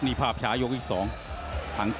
นี่ภาพช้ายกอีก๒